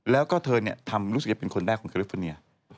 แล้วก็เธอทำรู้สึกเป็นคนแรกของแคลฟอเนีย